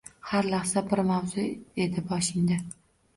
Har lahza bir mavzu edi boshingda